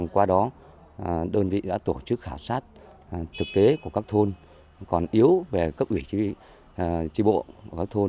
qua đó đơn vị đã tổ chức khảo sát thực tế của các thôn còn yếu về cấp ủy chính bộ và các thôn